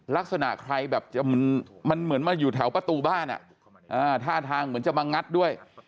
ลักษณะใครแบบมันเหมือนมาอยู่แถวประตูบ้านท่าทางเหมือนจะมางัดด้วย